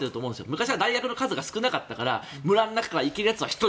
昔は大学が少なかったから村から行ける人は１人。